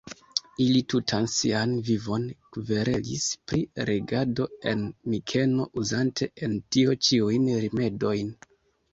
Ili tutan sian vivon kverelis pri regado en Mikeno, uzante en tio ĉiujn rimedojn.